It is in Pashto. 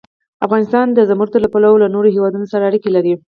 افغانستان د زمرد له پلوه له نورو هېوادونو سره اړیکې لري.